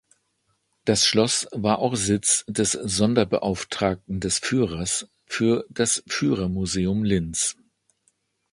Das Schloss war auch Sitz des „Sonderbeauftragten des Führers“ für das Führermuseum Linz.